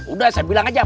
udah saya bilang aja